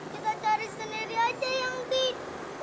kita cari sendiri aja yang lebih